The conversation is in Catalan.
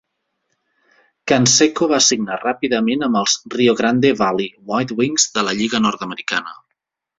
Canseco va signar ràpidament amb els Rio Grande Valley WhiteWings de la lliga nord-americana.